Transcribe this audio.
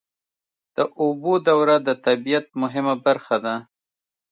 د اوبو دوره د طبیعت مهمه برخه ده.